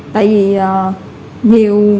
tại vì nhiều